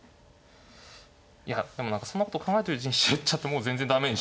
いやでも何かそんなことを考えてるうちに飛車寄っちゃってもう全然駄目にして。